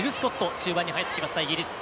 中盤に入ってきました、イギリス。